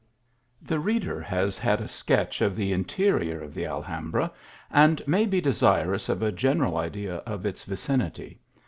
THE reader has had a sketch of the interior ot the Alnambra, and may be desirous of a general idea of its vicinity.